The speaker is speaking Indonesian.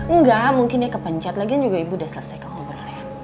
enggak mungkin ya kepencet lagian juga ibu udah selesai ke ngobrol ya